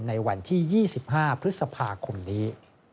ในวันที่๒๕พฤษภาคมนี้